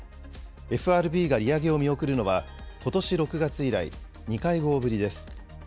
ＦＲＢが利上げを見送るのはことし６月以来、２会合ぶりです。